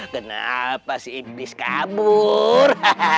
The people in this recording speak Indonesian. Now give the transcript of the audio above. kenapa si iblis kabur